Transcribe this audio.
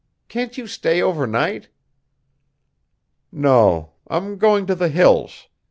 Can't you stay over night?" "No. I'm going to the Hills.